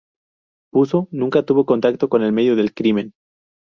Puzo nunca tuvo contacto con el medio del crimen.